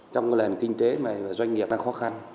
trong cái lần kinh tế mà doanh nghiệp đang khó khăn